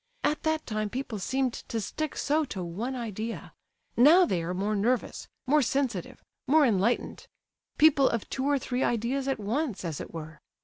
At that time people seemed to stick so to one idea; now, they are more nervous, more sensitive, more enlightened—people of two or three ideas at once—as it were.